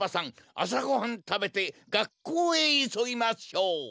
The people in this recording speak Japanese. あさごはんたべてがっこうへいそぎましょう。